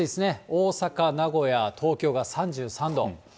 大阪、名古屋、東京が３３度。